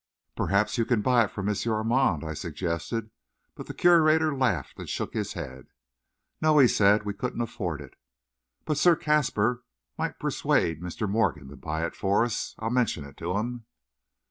"Perhaps you can buy it from M. Armand," I suggested, but the curator laughed and shook his head. "No," he said, "we couldn't afford it. But Sir Caspar might persuade Mr. Morgan to buy it for us I'll mention it to him."